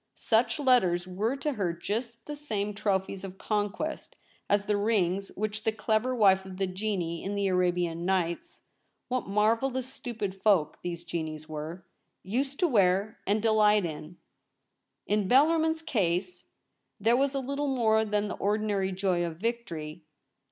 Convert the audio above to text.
Such letters were to her just the same trophies of conquest as the rings which the clever wife of the Genie in the Arabian Nights — what marvellous stupid folk these Genies were !— used to wear and delight in. In Bellarmin's case there was a little more than the ordinary joy of victory.